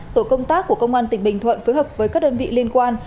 tổ công tác của công an tỉnh bình thuận phối hợp với các đơn vị liên quan